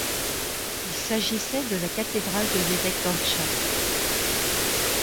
Il s'agissait de la cathédrale de l'évêque d'Antcha.